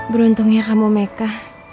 beruntungnya kamu meka